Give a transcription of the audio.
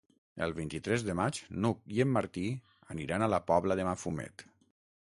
El vint-i-tres de maig n'Hug i en Martí aniran a la Pobla de Mafumet.